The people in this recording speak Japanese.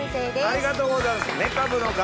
ありがとうございます。